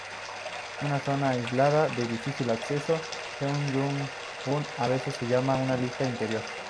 Una zona aislada de difícil acceso, Yeongyang-gun a veces se llama una "isla interior".